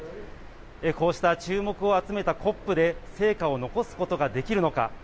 こうした注目を集めたＣＯＰで成果を残すことができるのか。